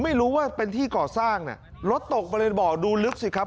ไม่รู้ว่าเป็นที่ก่อสร้างน่ะรถตกบริเวณบ่อดูลึกสิครับ